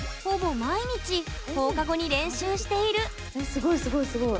すごいすごいすごい！